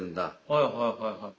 はいはいはいはい。